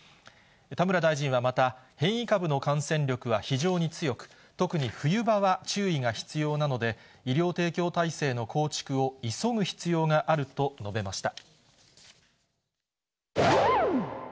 田村大臣はまた、変異株の感染力は非常に強く、特に冬場は注意が必要なので、医療提供体制の構築を急ぐ必要があると述べました。